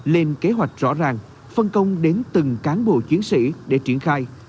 lên kế hoạch rõ ràng phân công đến từng cán bộ chiến sĩ để triển khai